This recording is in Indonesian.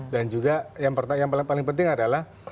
dan juga yang paling penting adalah